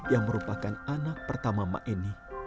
yang merupakan anak pertama maeni ⁇